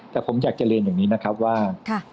แต่ผมอยากจะเรียนอย่างนี้นะครับว่า